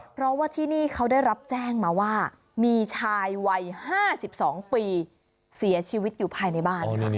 เพราะว่าที่นี่เขาได้รับแจ้งมาว่ามีชายวัย๕๒ปีเสียชีวิตอยู่ภายในบ้านค่ะ